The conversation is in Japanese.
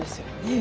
え！